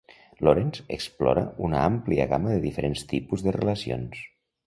Lawrence explora una àmplia gamma de diferents tipus de relacions.